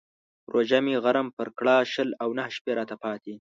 روژه مې غرم پر کړه شل او نهه شپې راته پاتې.